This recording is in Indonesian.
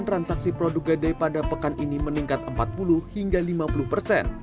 transaksi produk gadai pada pekan ini meningkat empat puluh hingga lima puluh persen